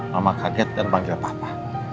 mama kaget dan panggil patah